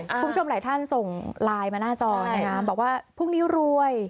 คุณผู้ชมหลายท่านส่งไลน์มาหน้าจอนะคะบอกว่าพรุ่งนี้รวย